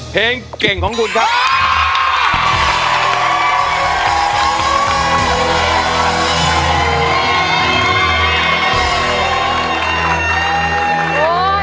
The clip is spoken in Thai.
เพลงเก่งของคุณครับ